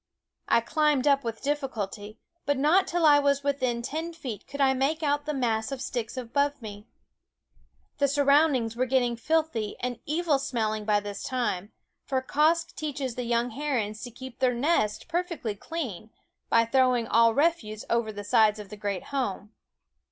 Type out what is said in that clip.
I climbed up with difficulty; but not till I was within ten feet could I make out the mass of sticks above me. The surroundings were getting filthy and evil smelling by this time; for Quoskh teaches the young herons to keep their nest perfectly clean by throwing all refuse over the sides of the great home.